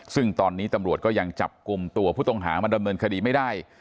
ซึ่งตอนนี้ตำรวจก็ยังจับกลุ่มตัวผู้ต้องหามาดำเนินคดีไม่ได้